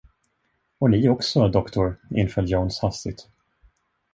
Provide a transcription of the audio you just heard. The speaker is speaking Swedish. Och ni också, doktor, inföll Jones hastigt.